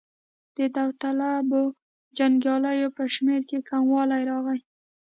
د داوطلبو جنګیالیو په شمېر کې کموالی راغی.